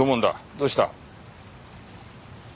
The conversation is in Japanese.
どうした？